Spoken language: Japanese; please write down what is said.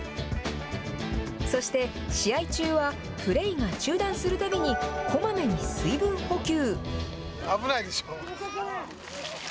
そして、試合中はプレーが中断するたびにこまめに水分補給。